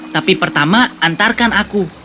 tapi pertama antarkan aku